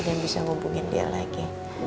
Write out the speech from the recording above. dan bisa hubungin dia lagi